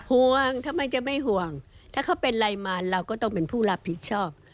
ห่วงทำไมจะไม่ห่วงถ้าเขาเป็นไรมาเราก็ต้องเป็นผู้รับผิดชอบ